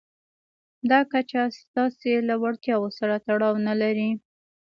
دا کچه ستاسې له وړتیاوو سره تړاو نه لري.